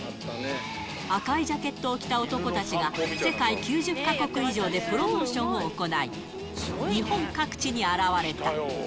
赤いジャケットを着た男たちが、世界９０か国以上でプロモーションを行い、日本各地に現れた。